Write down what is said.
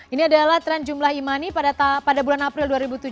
ini adalah tren jumlah e money pada bulan april dua ribu tujuh belas